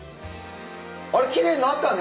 あれきれいになったね！